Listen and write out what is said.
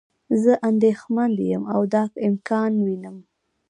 زه اندیښمند یم او دا امکان وینم.